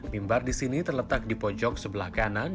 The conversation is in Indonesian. mimbar di sini terletak di pojok sebelah kanan